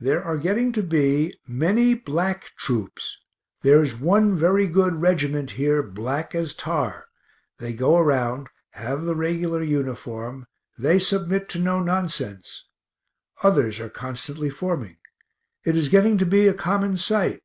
There are getting to be many black troops. There is one very good regt. here black as tar; they go around, have the regular uniform they submit to no nonsense. Others are constantly forming. It is getting to be a common sight.